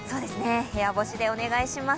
部屋干しでお願いします